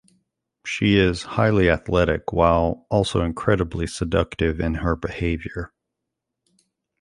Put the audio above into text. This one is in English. She is highly athletic while also incredibly seductive in her behavior.